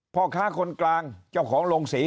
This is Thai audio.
พ่อค้าคนกลางเจ้าของโรงศรี